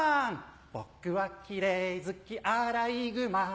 僕はキレイ好きアライグマ